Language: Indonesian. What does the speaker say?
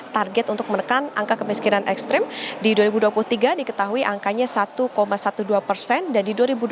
target untuk menekan angka kemiskinan ekstrim di dua ribu dua puluh tiga diketahui angkanya satu dua belas persen dan di dua ribu dua puluh satu